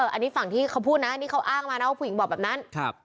อันนี้ฝั่งที่เขาพูดนะนี่เขาอ้างมานะว่าผู้หญิงบอกแบบนั้น